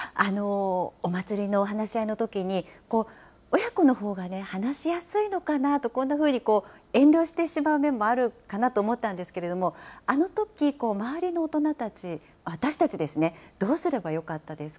お祭りのお話し合いのときに、親子のほうがね、話しやすいのかなって、こんなふうに遠慮してしまう面もあるかなと思ったんですけれども、あのとき、周りの大人たち、私たちですね、どうすればよ